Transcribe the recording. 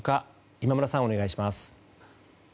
今村さん、お願いします。